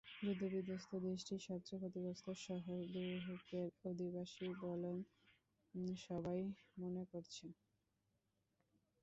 যুদ্ধবিধ্বস্ত দেশটির সবচেয়ে ক্ষতিগ্রস্ত শহর ডোহুকের অধিবাসী বলেই সবাই মনে করছে।